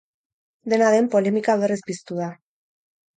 Dena den, polemika berriz piztu da.